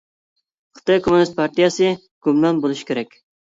خىتاي كوممۇنىست پارتىيەسى گۇمران بولۇشى كېرەك!